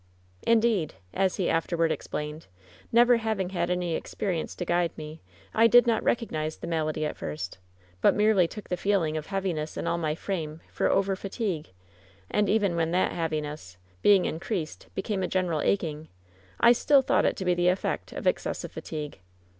"Indeed," as he afterward explained, "never having had any experience to guide me, I did not recognize the malady at first, but merely took the feeling of heaviness in all my frame for over fatigue, and even when that heaviness, being increased, became a general aching, I still thought it to be the effect of excessive fatigue.